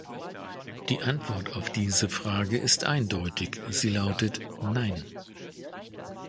Die Antwort auf diese Frage ist eindeutig, sie lautet "nein" .